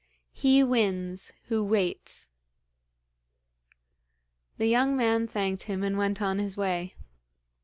"He wins who waits."' The young man thanked him and went on his way.